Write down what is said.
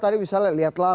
tadi bisa lihatlah